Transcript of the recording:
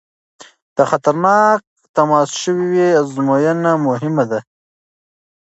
که خطرناک تماس شوی وي ازموینه مهمه ده.